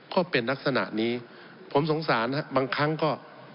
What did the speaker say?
ก็เป็นลักษณะนี้ผมสงสารบางครั้งก็